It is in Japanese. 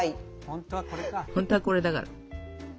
本当はこれだから。